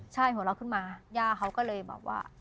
ใช่หัวเราะขึ้นมาย่าเขาก็เลยแบบว่า